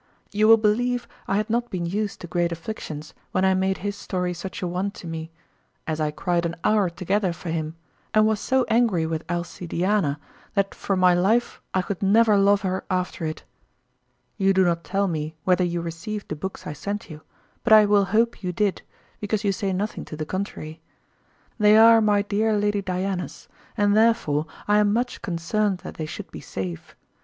You will believe I had not been used to great afflictions when I made his story such a one to me, as I cried an hour together for him, and was so angry with Alcidiana that for my life I could never love her after it. You do not tell me whether you received the books I sent you, but I will hope you did, because you say nothing to the contrary. They are my dear Lady Diana's, and therefore I am much concerned that they should be safe.